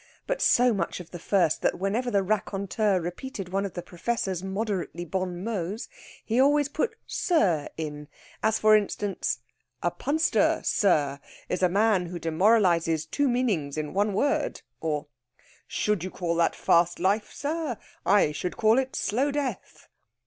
But so much of the first that whenever the raconteur repeated one of the Professor's moderately bon mots, he always put "sir" in as, for instance, "A punster, sir, is a man who demoralises two meanings in one word;" or, "Should you call that fast life, sir? I should call it slow death."